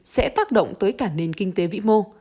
sẽ tác động tới cả nền kinh tế vĩ mô